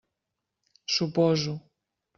Suposo.